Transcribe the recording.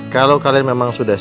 kalau kalian memang sudah